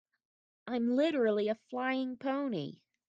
I'm literally a flying pony.